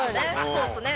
そうっすね。